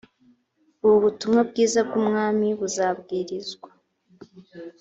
ubu butumwa bwiza bw ubwami buzabwirizwa